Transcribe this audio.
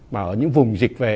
mà ở những vùng dịch về